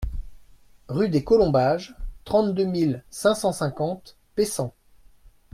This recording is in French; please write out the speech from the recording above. Rue des Colombages, trente-deux mille cinq cent cinquante Pessan